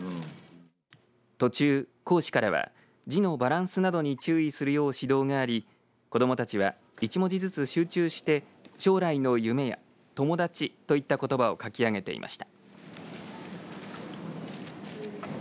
途中、講師からは字のバランスなどに注意するよう指導があり子どもたちは一文字ずつ集中して将来の夢や友だちといったことばを書き上げていました。